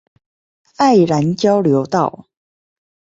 愛蘭交流道